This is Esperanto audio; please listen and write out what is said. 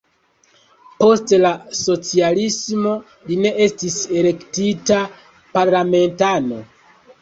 Depost la socialismo li ne estis elektita parlamentano.